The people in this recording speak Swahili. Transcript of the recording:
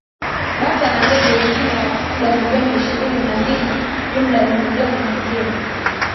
bata na ndege wengine wa kufuga milioni ishirini na mbili Jumla ni milioni hamsini